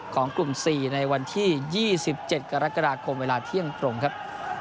ของกลุ่ม๔ในวันที่๒๗กรกฎาคมเวลาเที่ยงตรงครับ